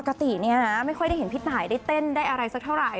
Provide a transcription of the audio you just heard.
ปกติเนี่ยนะไม่ค่อยได้เห็นพี่ตายได้เต้นได้อะไรสักเท่าไหร